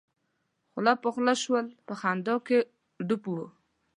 خوله خوله شول په خندا کې ډوب وو.